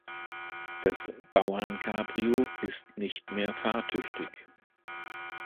Das Bauern-Cabrio ist nicht mehr fahrtüchtig.